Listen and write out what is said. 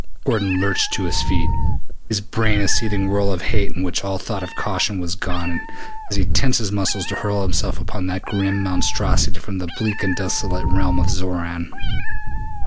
Gordon lurched to his feet, his brain a seething whirl of hate in which all thought of caution was gone as he tensed his muscles to hurl himself upon that grim monstrosity from the bleak and desolate realm of Xoran.